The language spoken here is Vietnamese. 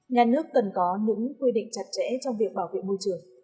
nhà nước cần có những quy định chặt chẽ trong việc bảo vệ môi trường